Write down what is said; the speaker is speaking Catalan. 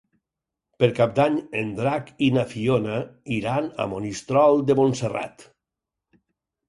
Per Cap d'Any en Drac i na Fiona iran a Monistrol de Montserrat.